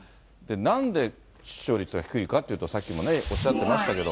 なんで出生率が低いかというと、さっきもおっしゃってましたけど。